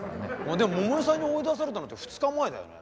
でも桃代さんに追い出されたのって２日前だよね？